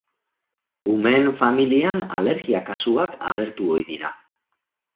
Umeen familian alergia-kasuak agertu ohi dira.